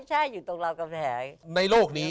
ใช่อยู่ตรงราวกำแหน่ง